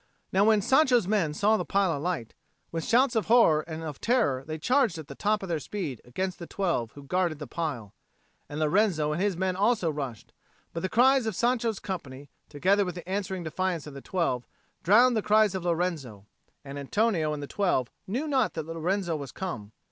Now when Sancho's men saw the pile alight, with shouts of horror and of terror they charged at the top of their speed against the twelve who guarded the pile. And Lorenzo and his men also rushed; but the cries of Sancho's company, together with the answering defiance of the twelve, drowned the cries of Lorenzo; and Antonio and the twelve knew not that Lorenzo was come.